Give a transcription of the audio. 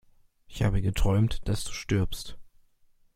Ich habe geträumt, dass du stirbst!